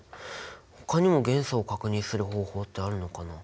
ほかにも元素を確認する方法ってあるのかな。